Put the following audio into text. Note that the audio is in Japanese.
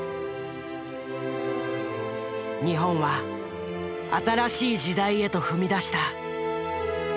日本は新しい時代へと踏み出した。